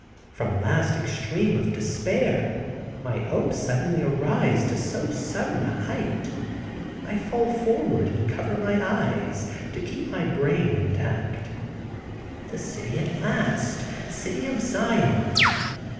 From last extreme of despair my hopes suddenly arise to so sudden height! I fall forward and cover my eyes, to keep my brain intact. The city at last. City of Zion!